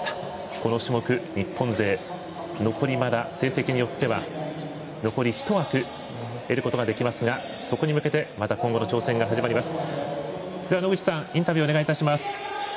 この種目、日本勢残りの成績によっては残り１枠、得ることができますがそこに向けて今後の挑戦が始まります。